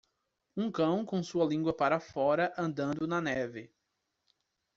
Um cão com sua língua para fora andando na neve.